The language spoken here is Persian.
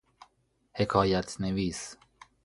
حکایت نویس